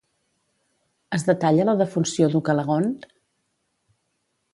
Es detalla la defunció d'Ucalegont?